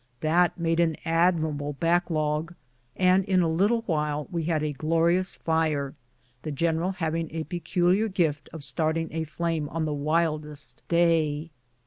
That made an admirable back log, and in a little while we had a glorious fire, the general having a peculiar gift of starting a flame on the wildest day.